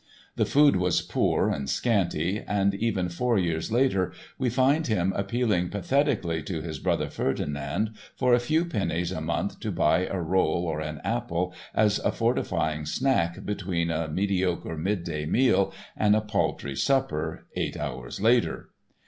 The food was poor and scanty and even four years later we find him appealing pathetically to his brother Ferdinand for a few pennies a month to buy a roll or an apple as a fortifying snack between a "mediocre midday meal and a paltry supper" eight hours later!